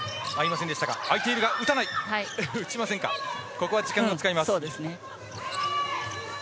ここは時間を使います。